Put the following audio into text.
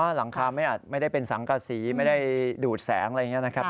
หลังคาไม่ได้เป็นสังกษีไม่ได้ดูดแสงอะไรอย่างนี้นะครับ